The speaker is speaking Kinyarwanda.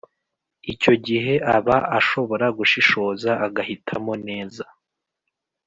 Icyo gihe aba ashobora gushishoza agahitamo neza